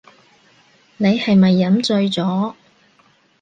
你係咪飲醉咗